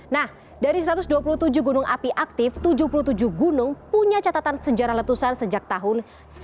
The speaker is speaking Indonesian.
nah dari satu ratus dua puluh tujuh gunung api aktif tujuh puluh tujuh gunung punya catatan sejarah letusan sejak tahun seribu sembilan ratus delapan puluh